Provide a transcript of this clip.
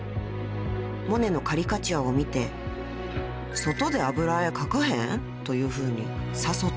［モネのカリカチュアを見て「外で油絵描かへん？」というふうに誘ったんですね］